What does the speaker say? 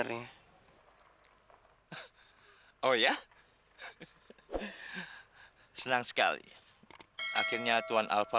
bisa tapi horses untuk kuah